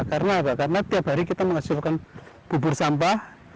karena apa karena tiap hari kita menghasilkan bubur sampah